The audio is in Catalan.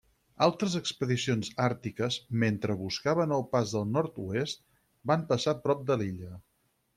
Altres expedicions àrtiques, mentre buscaven el Pas del Nord-oest, van passar prop de l'illa.